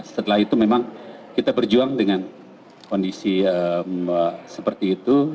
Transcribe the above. setelah itu memang kita berjuang dengan kondisi seperti itu